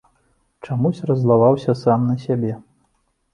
Чамусь раззлаваўся сам на сябе.